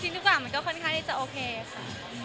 ทุกอย่างมันก็ค่อนข้างที่จะโอเคค่ะ